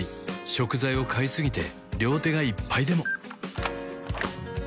食材を買いすぎて両手がいっぱいでも